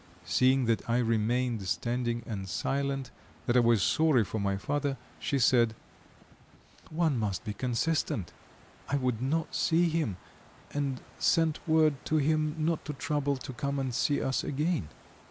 Seeing that I remained standing and silent, that I was sorry for my father, she said: "One must be consistent. I would not see him, and sent word to him not to trouble to come and see us again."